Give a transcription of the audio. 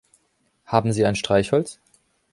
Haben Sie ein Streichholz?